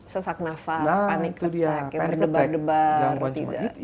sesak nafas panik ketak berdebar debar